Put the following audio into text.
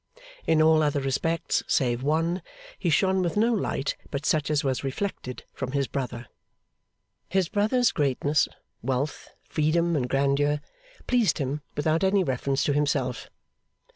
In all other respects, save one, he shone with no light but such as was reflected from his brother. His brother's greatness, wealth, freedom, and grandeur, pleased him without any reference to himself.